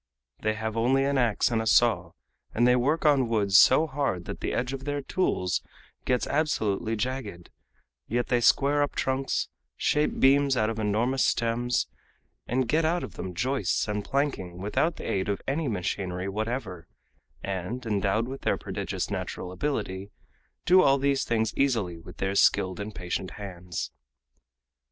They have only an ax and a saw, and they work on woods so hard that the edge of their tools gets absolutely jagged; yet they square up trunks, shape beams out of enormous stems, and get out of them joists and planking without the aid of any machinery whatever, and, endowed with prodigious natural ability, do all these things easily with their skilled and patient hands.